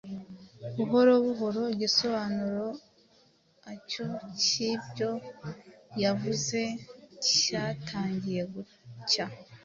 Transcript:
Buhoro buhoro igisobanuro acyo cyibyo yavuze cyatangiye gucya.